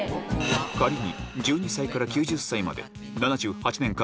仮に１２歳から９０歳まで７８年間